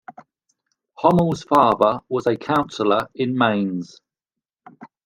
Hommel's father was a counselor in Mainz.